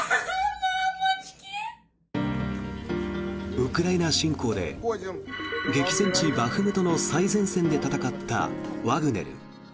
ウクライナ侵攻で激戦地バフムトの最前線で戦ったワグネル。